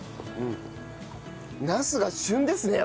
なすが旬ですね